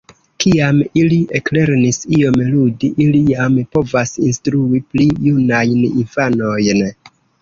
Kiam ili eklernis iom ludi, ili jam povas instrui pli junajn infanojn.